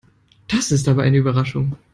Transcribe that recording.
Das ist aber eine Überraschung.